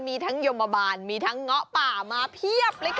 มีทั้งยมบาลมีทั้งเงาะป่ามาเพียบเลยค่ะ